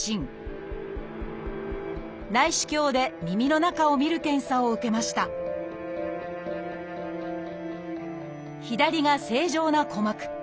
内視鏡で耳の中を診る検査を受けました左が正常な鼓膜。